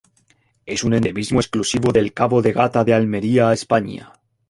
Es un endemismo exclusivo del Cabo de Gata en Almería, España.